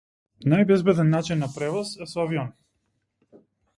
Најбезбеден начин на превоз е со авион.